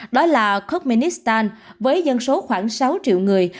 đó là kokmenistan với dân số khoảng sáu triệu người